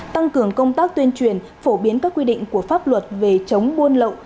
tăng cường công tác tuyên truyền phổ biến các quy định của pháp luật về chống buôn lậu